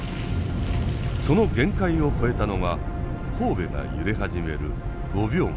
その限界を超えたのが神戸が揺れ始める５秒前。